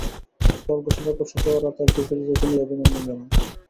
ফল ঘোষণার পর শুক্রবার রাতে এক বিবৃতিতে তিনি এ অভিনন্দন জানান।